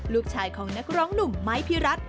ลูกชายของนักร้องหนุ่มไม้พิรัตน